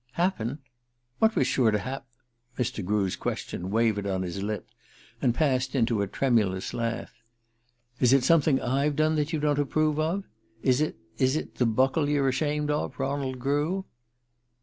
"Happen? What was sure to hap ?" Mr. Grew's question wavered on his lip and passed into a tremulous laugh. "Is it something I've done that you don't approve of? Is it is it the Buckle you're ashamed of, Ronald Grew?"